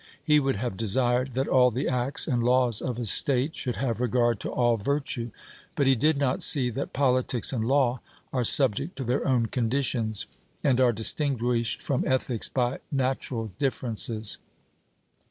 He would have desired that all the acts and laws of a state should have regard to all virtue. But he did not see that politics and law are subject to their own conditions, and are distinguished from ethics by natural differences.